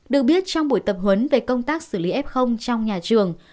được biết trong buổi tập huấn về công tác xử lý f trong nhà trường